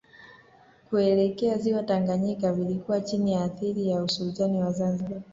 Kuelekea Ziwa Tanganyika vilikuwa chini ya athira ya Usultani wa Zanzibar